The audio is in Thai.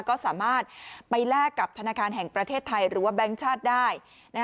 ก็สามารถไปแลกกับธนาคารแห่งประเทศไทยหรือว่าแบงค์ชาติได้